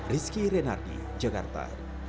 rizky renardi jakarta